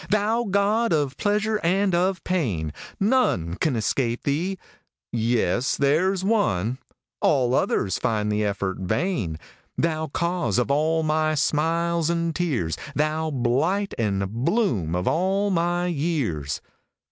Thou god of pleasure and of pain ! None can escape thee yes there s one All others find the effort vain : Thou cause of all my smiles and tears ! Thou blight and bloom of all my years ! 70 LINES.